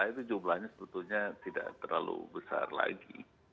itu jumlahnya sebetulnya tidak terlalu besar lagi